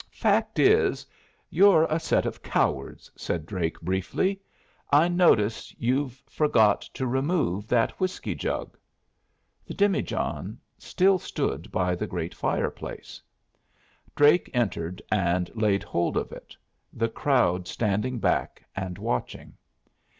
"Fact is, you're a set of cowards," said Drake, briefly. "I notice you've forgot to remove that whiskey jug." The demijohn still stood by the great fireplace. Drake entered and laid hold of it, the crowd standing back and watching.